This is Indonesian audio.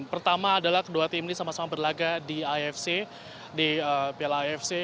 pertama adalah kedua tim ini sama sama berlaga di afc di piala afc